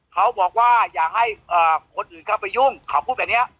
เขาบอกว่าอยากให้คนอื่นเข้าไปยุ่งเขาพูดแบบนี้